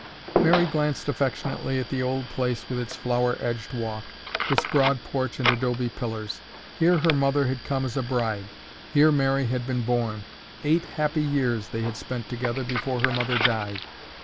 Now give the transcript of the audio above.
Mary glanced affectionately at the old place with its flower edged walk, its broad porch and adobe pillars. Here her mother had come as a bride; here Mary had been born. Eight happy years they had spent together before her mother died.